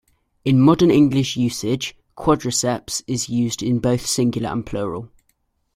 In modern English usage, "quadriceps" is used in both singular and plural.